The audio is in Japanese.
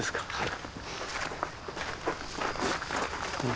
はい。